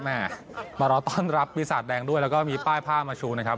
มารอต้อนรับปีศาจแดงด้วยแล้วก็มีป้ายผ้ามาชูนะครับ